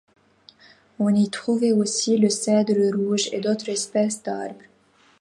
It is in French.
On y trouvait aussi le cèdre rouge et d'autres espèces d'arbres.